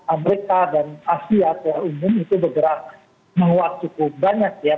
amerika dan asia secara umum itu bergerak menguat cukup banyak ya